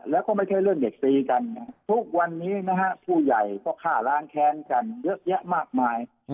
แล้วก็ไม่ใช่เรื่องเด็กตีกันทุกวันนี้นะฮะผู้ใหญ่ก็ฆ่าล้างแค้นกันเยอะแยะมากมาย